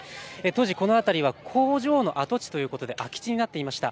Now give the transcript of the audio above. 当時、この辺りは工場の跡地ということで空き地になっていました。